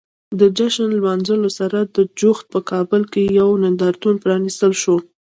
د جشن لمانځلو سره جوخت په کابل کې یو نندارتون پرانیستل شو.